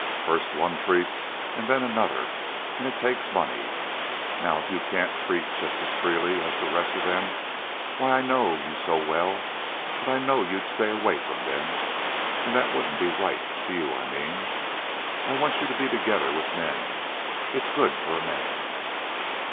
First one treats and then another, and it takes money. Now if you can't treat just as freely as the rest of them, why I know you so well that I know you'd stay away from them. And that wouldn't be right... to you, I mean. I want you to be together with men. It's good for a man."